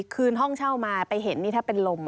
คืนห้องเช่ามาไปเห็นนี่ถ้าเป็นลม